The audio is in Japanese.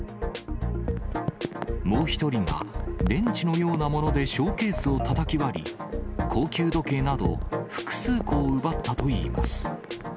もう１人がレンチのようなものでショーケースをたたき割り、高級時計など複数個を奪ったといいます。